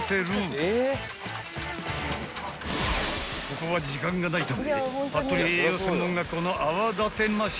［ここは時間がないため］